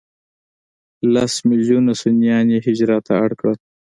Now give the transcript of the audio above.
لس ملیونه سنیان یې هجرت ته اړ کړل.